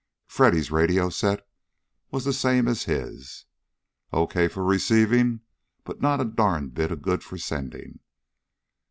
Freddy's radio set was the same as his. Okay for receiving, but not a darned bit of good for sending.